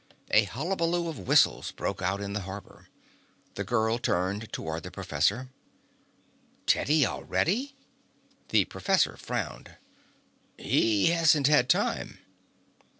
A hullabaloo of whistles broke out in the harbor. The girl turned toward the professor. "Teddy already?" The professor frowned. "He hasn't had time."